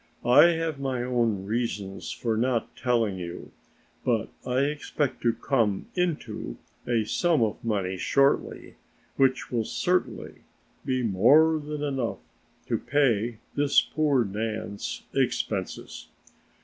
I have my own reasons for not telling you, but I expect to come into a sum of money shortly which will certainly be more than enough to pay this poor Nan's expenses."